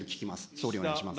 総理、お願いします。